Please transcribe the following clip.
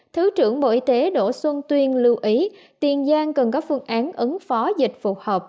thứ trưởng bộ y tế đỗ xuân tuyên lưu ý tiền giang cần có phương án ứng phó dịch phù hợp